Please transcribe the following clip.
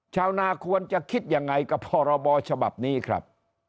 ชาวนาควรจะคิดยังไงกับพรบฉบับนี้ครับ